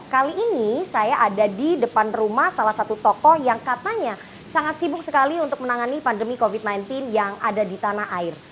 kali ini saya ada di depan rumah salah satu tokoh yang katanya sangat sibuk sekali untuk menangani pandemi covid sembilan belas yang ada di tanah air